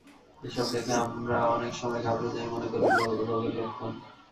এসব দেখে আমরা অনেক সময় ঘাবড়ে যাই, মনে করি রোগের লক্ষণ।